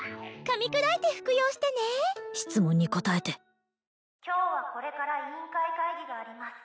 噛み砕いて服用してね質問に答えて今日はこれから委員会会議があります